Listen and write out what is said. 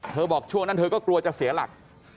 บอกช่วงนั้นเธอก็กลัวจะเสียหลัก